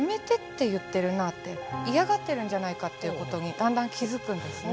嫌がってるんじゃないかっていうことにだんだん気付くんですね。